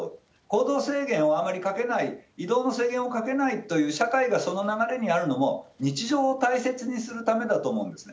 行動制限をあまりかけない、移動の制限をかけないという、社会がその流れにあるのも、日常を大切にするためだと思うんです。